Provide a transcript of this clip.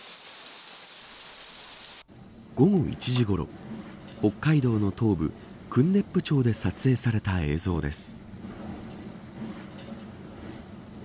午後１時ごろ北海道の東部、訓子府町で撮影された映像です。